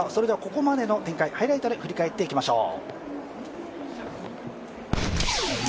ここまでの展開、ハイライトで振り返っていきましょう。